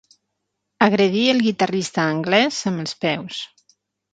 Agredir el guitarrista anglès amb els peus.